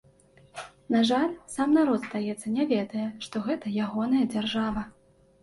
На жаль, сам народ, здаецца, не ведае, што гэта ягоная дзяржава.